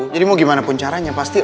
jadi mau gimana pun caranya pasti ada